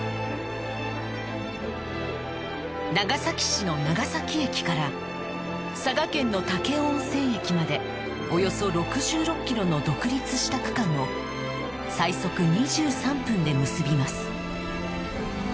長崎市の長崎駅から佐賀県の武雄温泉駅までおよそ６６キロの独立した区間を最速２３分で結びます